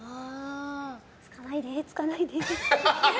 つかないで、つかないで。